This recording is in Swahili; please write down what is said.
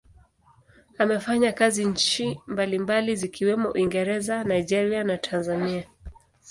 Amefanya kazi nchi mbalimbali zikiwemo Uingereza, Nigeria na Tanzania.